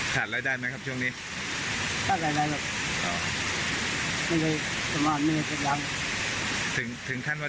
ถ้าหลวดมาอยู่แบบนี้แล้วอุ่นเกิดขึ้นมาอยู่ว่าไง